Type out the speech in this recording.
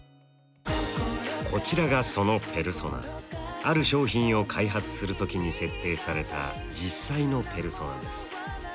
ある商品を開発する時に設定された実際のペルソナです。